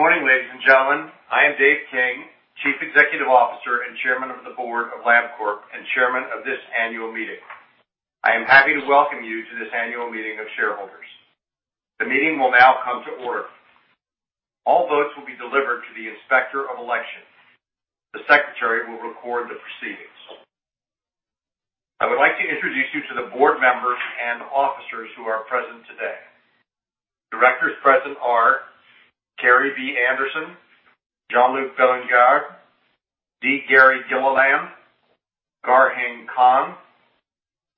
Good morning, ladies and gentlemen. I am Dave King, Chief Executive Officer and Chairman of the Board of Labcorp, and chairman of this annual meeting. I am happy to welcome you to this annual meeting of shareholders. The meeting will now come to order. All votes will be delivered to the Inspector of Election. The Secretary will record the proceedings. I would like to introduce you to the board members and officers who are present today. Directors present are Kerrii B. Anderson, Jean-Luc Bélingard, D. Gary Gilliland, Garheng Kong,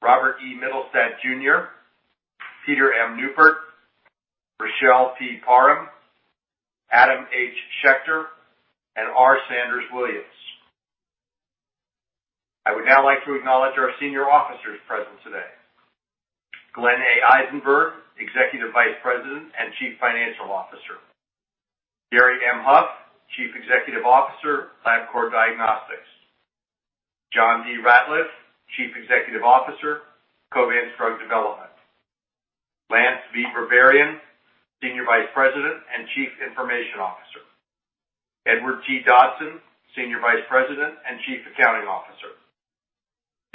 Robert E. Mittelstaedt Jr., Peter M. Neupert, Richelle P. Parham, Adam H. Schechter, and R. Sanders Williams. I would now like to acknowledge our senior officers present today. Glenn A. Eisenberg, Executive Vice President and Chief Financial Officer. Gary M. Huff, Chief Executive Officer, Labcorp Diagnostics. John D. Ratliff, Chief Executive Officer, Covance Drug Development. Lance V. Berberian, Senior Vice President and Chief Information Officer. Edward T. Dodson, Senior Vice President and Chief Accounting Officer.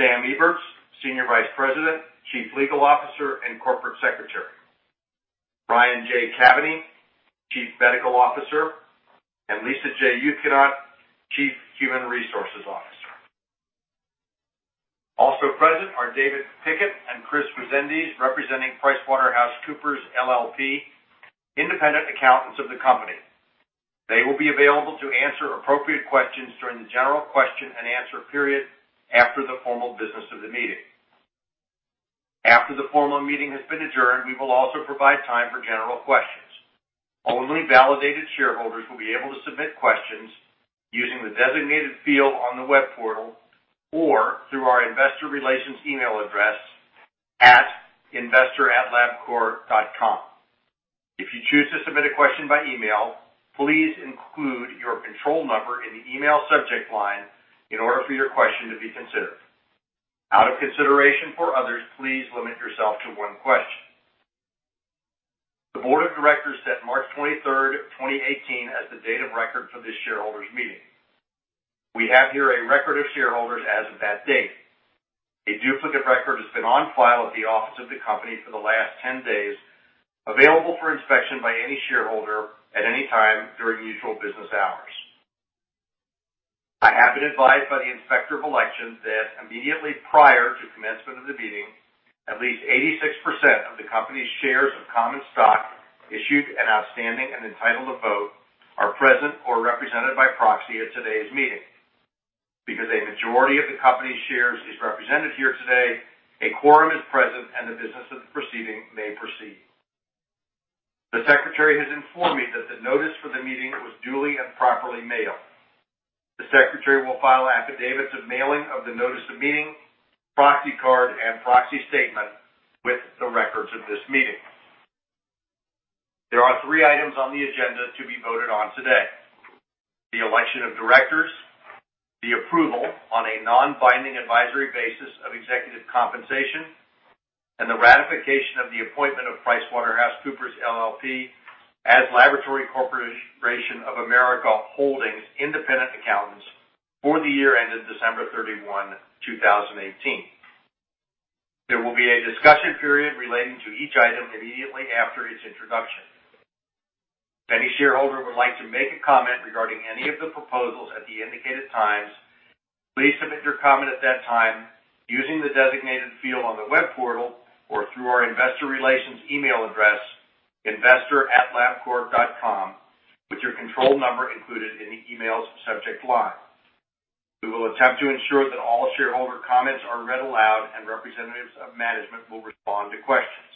Sam Eberts, Senior Vice President, Chief Legal Officer and Corporate Secretary. Brian J. Caveney, Chief Medical Officer, and Lisa J. Uthgenannt, Chief Human Resources Officer. Also present are David Pickett and Chris Rezendes, representing PricewaterhouseCoopers LLP, independent accountants of the company. They will be available to answer appropriate questions during the general question-and-answer period after the formal business of the meeting. After the formal meeting has been adjourned, we will also provide time for general questions. Only validated shareholders will be able to submit questions using the designated field on the web portal or through our investor relations email address at investor@labcorp.com. If you choose to submit a question by email, please include your control number in the email subject line in order for your question to be considered. Out of consideration for others, please limit yourself to one question. The board of directors set March 23rd, 2018, as the date of record for this shareholders' meeting. We have here a record of shareholders as of that date. A duplicate record has been on file at the office of the company for the last 10 days, available for inspection by any shareholder at any time during usual business hours. I have been advised by the Inspector of Election that immediately prior to commencement of the meeting, at least 86% of the company's shares of common stock issued and outstanding and entitled to vote are present or represented by proxy at today's meeting. Because a majority of the company's shares is represented here today, a quorum is present, the business of the proceeding may proceed. The Secretary has informed me that the notice for the meeting was duly and properly mailed. The Secretary will file affidavits of mailing of the notice of meeting, proxy card, and proxy statement with the records of this meeting. There are three items on the agenda to be voted on today. The election of directors, the approval on a non-binding advisory basis of executive compensation, and the ratification of the appointment of PricewaterhouseCoopers LLP as Laboratory Corporation of America Holdings' independent accountants for the year ended December 31, 2018. There will be a discussion period relating to each item immediately after its introduction. If any shareholder would like to make a comment regarding any of the proposals at the indicated times, please submit your comment at that time using the designated field on the web portal or through our investor relations email address, investor@labcorp.com, with your control number included in the email's subject line. We will attempt to ensure that all shareholder comments are read aloud and representatives of management will respond to questions.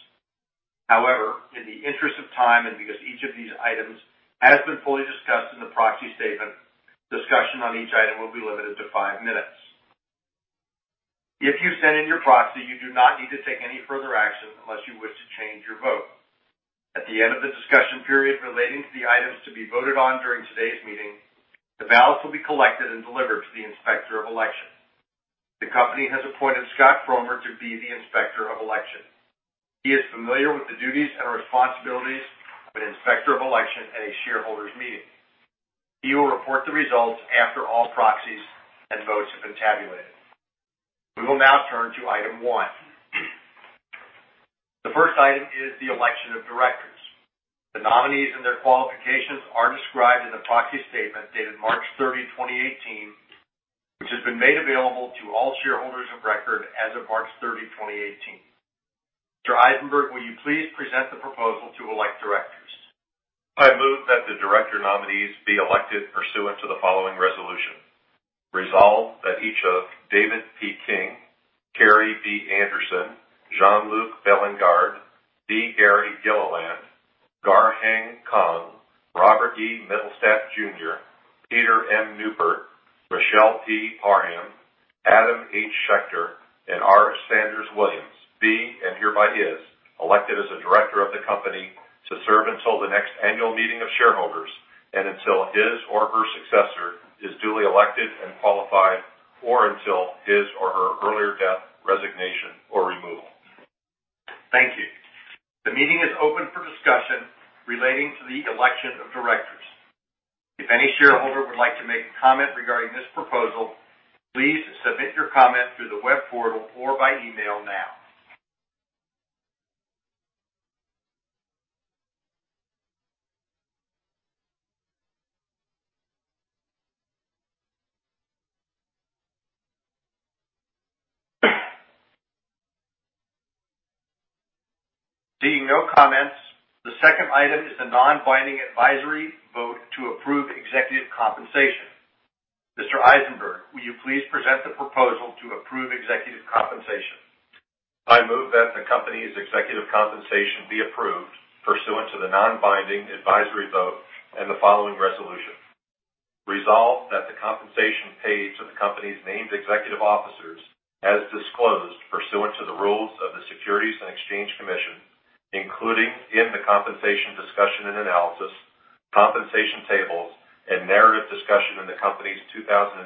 However, in the interest of time, and because each of these items has been fully discussed in the proxy statement, discussion on each item will be limited to five minutes. If you sent in your proxy, you do not need to take any further action unless you wish to change your vote. At the end of the discussion period relating to the items to be voted on during today's meeting, the ballots will be collected and delivered to the Inspector of Election. The company has appointed Scott Frohmder to be the Inspector of Election. He is familiar with the duties and responsibilities of an Inspector of Election at a shareholders' meeting. He will report the results after all proxies and votes have been tabulated. We will now turn to item one. The first item is the election of directors. The nominees and their qualifications are described in the proxy statement dated March 30, 2018, which has been made available to all shareholders of record as of March 30, 2018. Mr. Eisenberg, will you please present the proposal to elect directors? I move that the director nominees be elected pursuant to the following resolution. Resolve that each of David P. King, Kerrii B. Anderson, Jean-Luc Bélingard, D. Gary Gilliland, Garheng Kong, Robert E. Mittelstaedt Jr., Peter M. Neupert, Richelle P. Parham, Adam H. Schechter, and R. Sanders Williams be, and hereby is, elected as a director of the company to serve until the next annual meeting of shareholders and until his or her successor is duly elected and qualified, or until his or her earlier death, resignation, or removal. Thank you. The meeting is open for discussion relating to the election of directors. If any shareholder would like to make a comment regarding this proposal, please submit your comment through the web portal or by email now. Seeing no comments, the second item is the non-binding advisory vote to approve executive compensation. Mr. Eisenberg, will you please present the proposal to approve executive compensation? I move that the company's executive compensation be approved pursuant to the non-binding advisory vote and the following resolution. Resolved that the compensation paid to the company's named executive officers, as disclosed pursuant to the rules of the Securities and Exchange Commission, including in the Compensation Discussion and Analysis, compensation tables, and narrative discussion in the company's 2018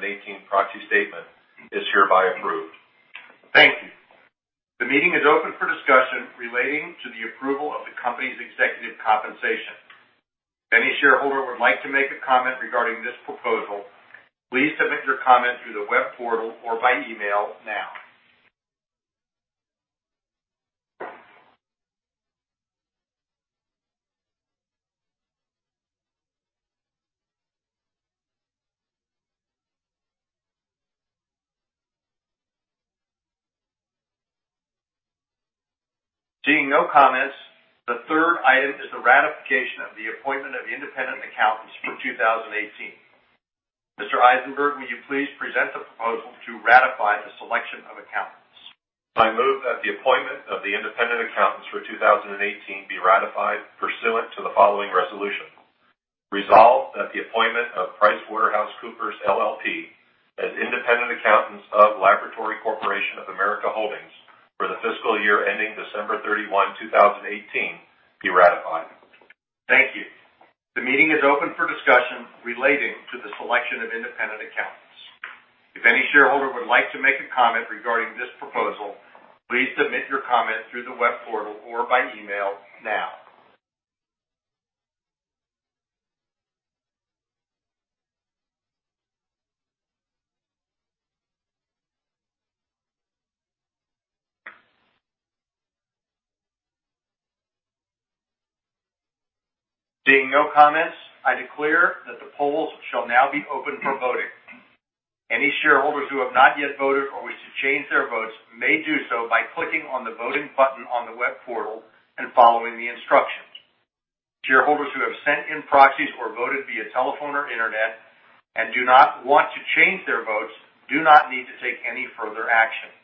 proxy statement, is hereby approved. Thank you. The meeting is open for discussion relating to the approval of the company's executive compensation. If any shareholder would like to make a comment regarding this proposal, please submit your comment through the web portal or by email now. Seeing no comments, the third item is the ratification of the appointment of independent accountants for 2018. Mr. Eisenberg, will you please present the proposal to ratify the selection of accountants? I move that the appointment of the independent accountants for 2018 be ratified pursuant to the following resolution. Resolved that the appointment of PricewaterhouseCoopers LLP as independent accountants of Laboratory Corporation of America Holdings for the fiscal year ending December 31, 2018, be ratified. Thank you. The meeting is open for discussion relating to the selection of independent accountants. If any shareholder would like to make a comment regarding this proposal, please submit your comment through the web portal or by email now. Seeing no comments, I declare that the polls shall now be open for voting. Any shareholders who have not yet voted or wish to change their votes may do so by clicking on the voting button on the web portal and following the instructions. Shareholders who have sent in proxies or voted via telephone or internet and do not want to change their votes do not need to take any further action.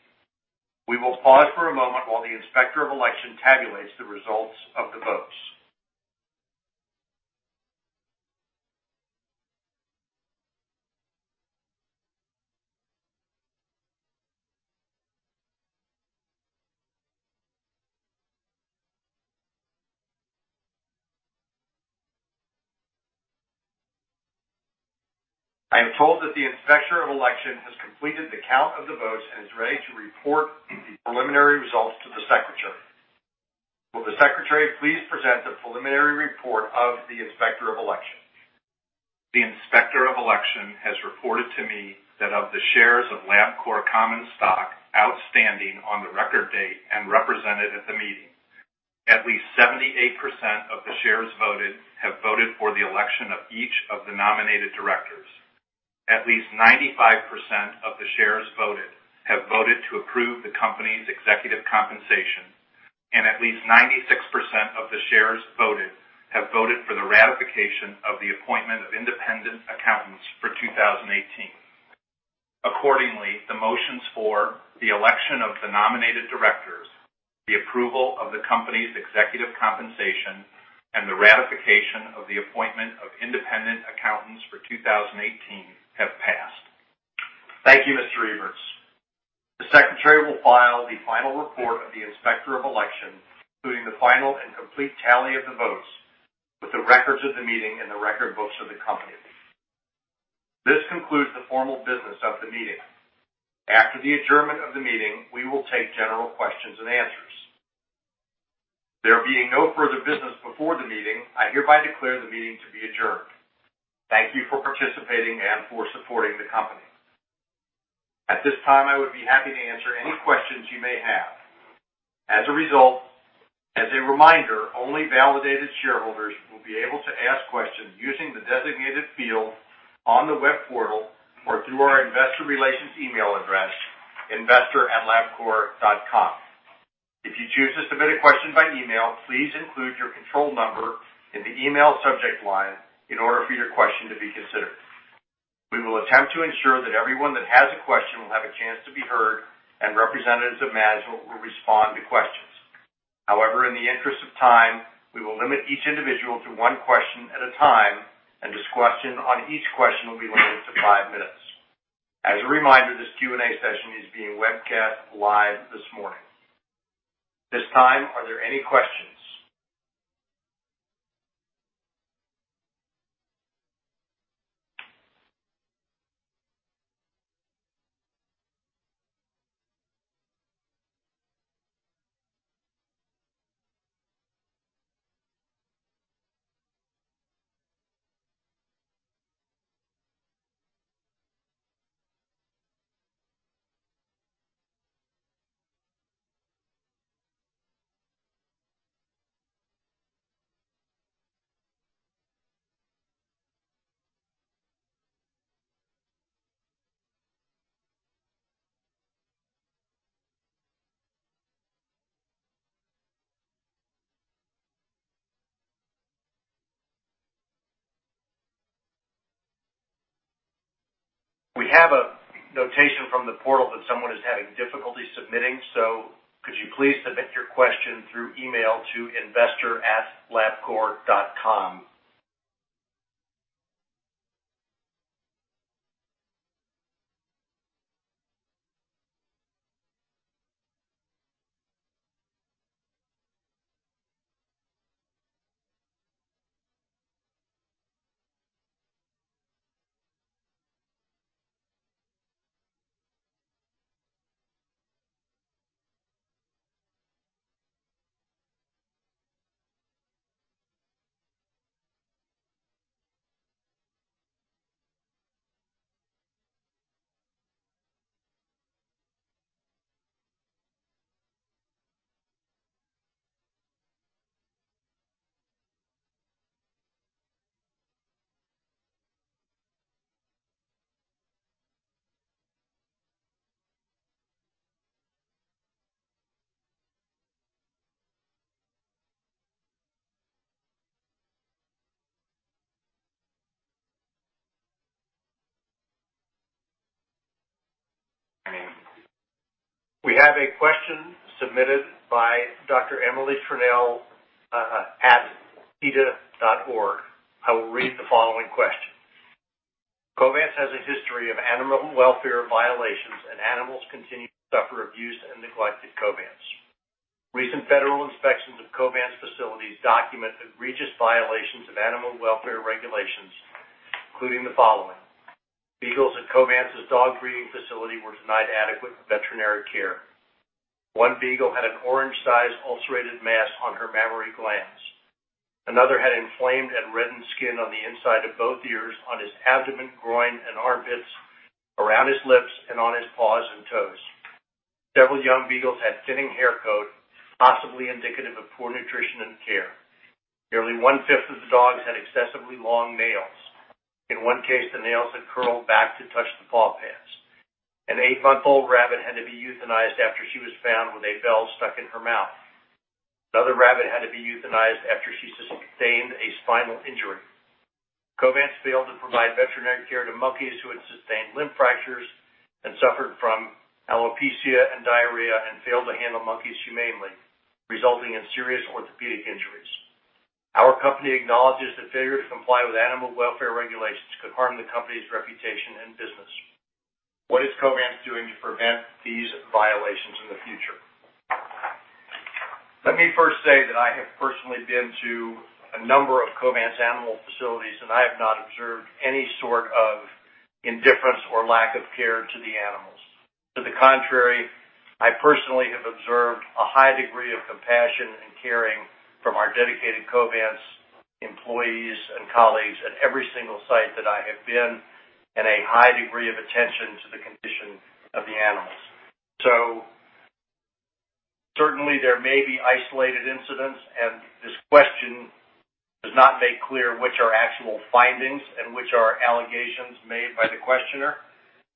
We will pause for a moment while the Inspector of Election tabulates the results of the votes. I am told that the Inspector of Election has completed the count of the votes and is ready to report the preliminary results to the Secretary. Will the Secretary please present the preliminary report of the Inspector of Election? The Inspector of Election has reported to me that of the shares of Labcorp common stock outstanding on the record date and represented at the meeting, at least 78% of the shares voted have voted for the election of each of the nominated directors. At least 95% of the shares voted have voted to approve the company's executive compensation. At least 96% of the shares voted have voted for the ratification of the appointment of independent accountants for 2018. Accordingly, the motions for the election of the nominated directors, the approval of the company's executive compensation, and the ratification of the appointment of independent accountants for 2018 have passed. Thank you, Mr. Eberts. The Secretary will file the final report of the Inspector of Election, including the final and complete tally of the votes, with the records of the meeting and the record books of the company. This concludes the formal business of the meeting. After the adjournment of the meeting, we will take general questions and answers. There being no further business before the meeting, I hereby declare the meeting to be adjourned. Thank you for participating and for supporting the company. At this time, I would be happy to answer any questions you may have. As a reminder, only validated shareholders will be able to ask questions using the designated field on the web portal or through our investor relations email address, investor@labcorp.com. If you choose to submit a question by email, please include your control number in the email subject line in order for your question to be considered. We will attempt to ensure that everyone that has a question will have a chance to be heard, and representatives of management will respond to questions. However, in the interest of time, we will limit each individual to one question at a time, and discussion on each question will be limited to five minutes. As a reminder, this Q&A session is being webcast live this morning. At this time, are there any questions? We have a notation from the portal that someone is having difficulty submitting, so could you please submit your question through email to investor@labcorp.com? We have a question submitted by Emily Trunnell@peta.org. I will read the following question. Covance has a history of animal welfare violations and animals continue to suffer abuse and neglect at Covance. Recent federal inspections of Covance facilities document egregious violations of animal welfare regulations, including the following. Beagles at Covance's dog breeding facility were denied adequate veterinary care. One beagle had an orange-sized ulcerated mass on her mammary glands. Another had inflamed and reddened skin on the inside of both ears, on his abdomen, groin, and armpits, around his lips, and on his paws and toes. Several young beagles had thinning hair coat, possibly indicative of poor nutrition and care. Nearly one-fifth of the dogs had excessively long nails. In one case, the nails had curled back to touch the paw pads. An eight-month-old rabbit had to be euthanized after she was found with a bell stuck in her mouth. Another rabbit had to be euthanized after she sustained a spinal injury. Covance failed to provide veterinary care to monkeys who had sustained limb fractures and suffered from alopecia and diarrhea and failed to handle monkeys humanely, resulting in serious orthopedic injuries. Our company acknowledges that failure to comply with animal welfare regulations could harm the company's reputation and business. What is Covance doing to prevent these violations in the future? Let me first say that I have personally been to a number of Covance animal facilities, and I have not observed any sort of indifference or lack of care to the animals. To the contrary, I personally have observed a high degree of compassion and caring from our dedicated Covance employees and colleagues at every single site that I have been, and a high degree of attention to the condition of the animals. Certainly, there may be isolated incidents, and this question does not make clear which are actual findings and which are allegations made by the questioner.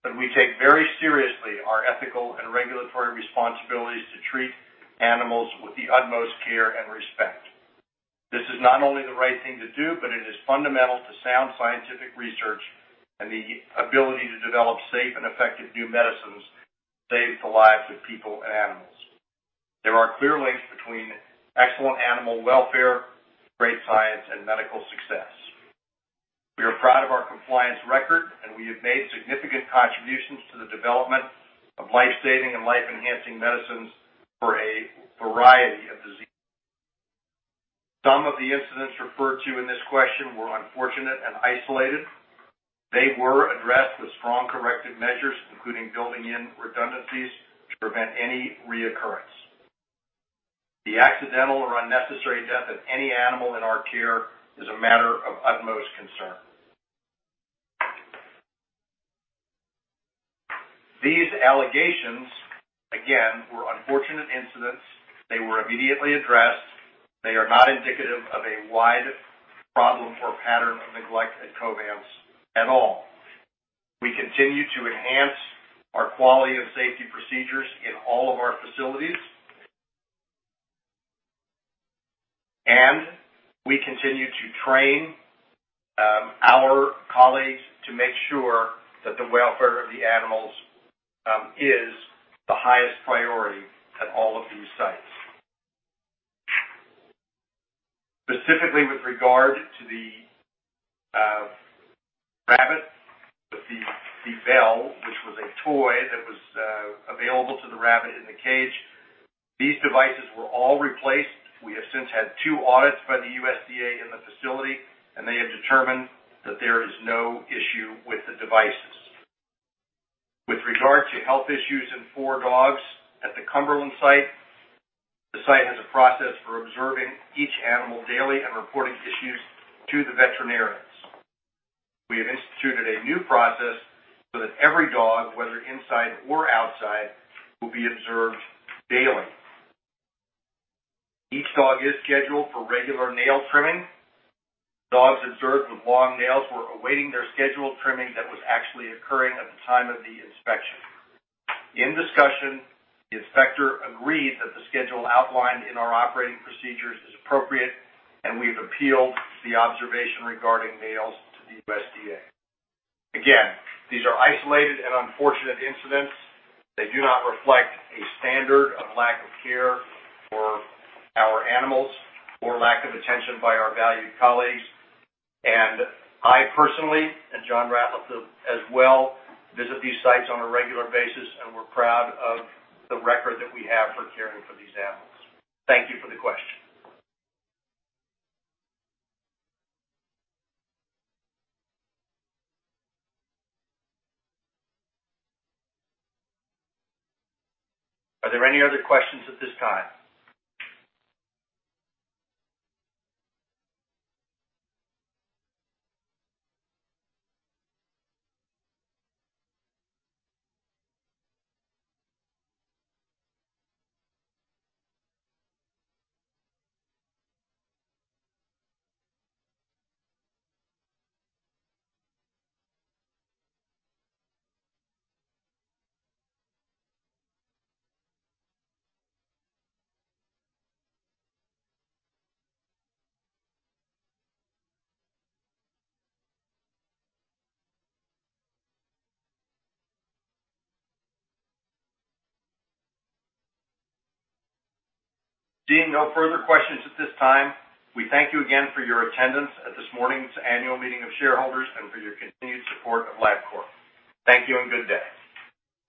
We take very seriously our ethical and regulatory responsibilities to treat animals with the utmost care and respect. This is not only the right thing to do, but it is fundamental to sound scientific research and the ability to develop safe and effective new medicines to save the lives of people and animals. There are clear links between excellent animal welfare, great science, and medical success. We are proud of our compliance record, and we have made significant contributions to the development of life-saving and life-enhancing medicines for a variety of diseases. Some of the incidents referred to in this question were unfortunate and isolated. They were addressed with strong corrective measures, including building in redundancies to prevent any recurrence. The accidental or unnecessary death of any animal in our care is a matter of utmost concern. These allegations, again, were unfortunate incidents. They were immediately addressed. They are not indicative of a wide problem or pattern of neglect at Covance at all. We continue to enhance our quality of safety procedures in all of our facilities. We continue to train our colleagues to make sure that the welfare of the animals is the highest priority at all of these sites. Specifically with regard to the rabbit with the bell, which was a toy that was available to the rabbit in the cage. These devices were all replaced. We have since had two audits by the USDA in the facility, and they have determined that there is no issue with the devices. With regard to health issues in four dogs at the Cumberland site, the site has a process for observing each animal daily and reporting issues to the veterinarians. We have instituted a new process so that every dog, whether inside or outside, will be observed daily. Each dog is scheduled for regular nail trimming. Dogs observed with long nails were awaiting their scheduled trimming that was actually occurring at the time of the inspection. In discussion, the inspector agreed that the schedule outlined in our operating procedures is appropriate, and we've appealed the observation regarding nails to the USDA. Again, these are isolated and unfortunate incidents. They do not reflect a standard of lack of care for our animals or lack of attention by our valued colleagues. I personally, and John Ratliff as well, visit these sites on a regular basis, and we're proud of the record that we have for caring for these animals. Thank you for the question. Are there any other questions at this time? Seeing no further questions at this time, we thank you again for your attendance at this morning's annual meeting of shareholders and for your continued support of Labcorp. Thank you and good day.